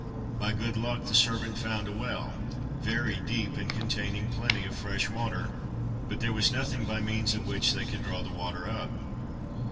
By good luck the servant found a well, very deep, and containing plenty of fresh water, but there was nothing by means of which they could draw the water up.